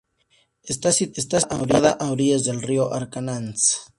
Está situada a orillas del río Arkansas.